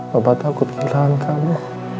bapak takut kehilangan kamu